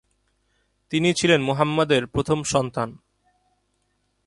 তিনি ছিলেন মুহাম্মাদের প্রথম সন্তান।